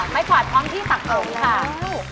ไม้ขวาดทางที่ต่าง